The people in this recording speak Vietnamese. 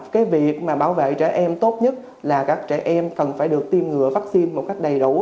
cái việc mà bảo vệ trẻ em tốt nhất là các trẻ em cần phải được tiêm ngừa vaccine một cách đầy đủ